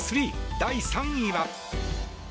第３位は。